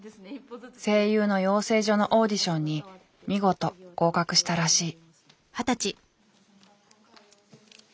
声優の養成所のオーディションに見事合格したらしい。